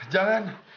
jangan jangan pergi